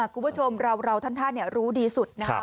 คุณผู้ชมเราท่านรู้ดีสุดนะครับ